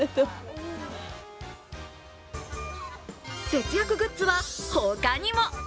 節約グッズは他にも。